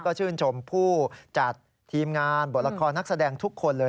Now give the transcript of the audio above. ก็ชื่นชมผู้จัดทีมงานบทละครนักแสดงทุกคนเลย